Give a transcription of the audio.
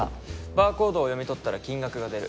バーコードを読み取ったら金額が出る。